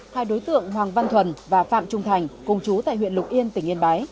hai đối tượng hoàng văn thuần và phạm trung thành cùng chú tại huyện lục yên tỉnh yên bái